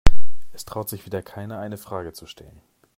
Es traut sich wieder keiner, eine Frage zu stellen.